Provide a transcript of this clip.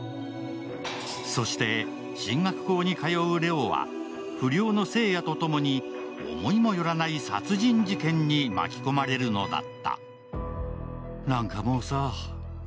そして進学校に通う礼央は不良の聖也とともに思いも寄らない殺人事件に巻き込まれるのだった。